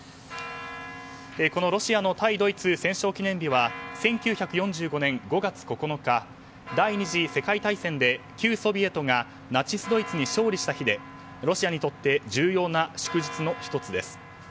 このロシアの対ドイツ戦勝記念日は１９４５年５月９日第２次世界大戦で旧ソビエトがナチスドイツに勝利した日でロシアにとって重要な祝日の１つです。